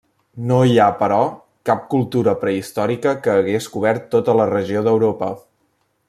No hi ha, però, cap cultura prehistòrica que hagués cobert tota la regió d'Europa.